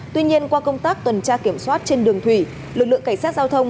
tuy nhiên qua công tác tuần tra kiểm soát trên đường thủy lực lượng cảnh sát giao thông